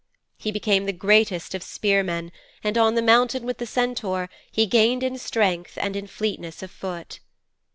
He became the greatest of spearmen, and on the mountain with the Centaur he gained in strength and in fleetness of foot.